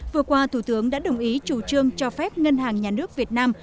vừa qua thủ tướng đã đồng ý chủ trương cho phép ngân hàng nhà nước việt nam